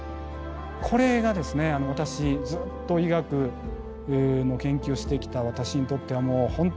これがですね私ずっと医学の研究をしてきた私にとってはもう本当目からうろこでした。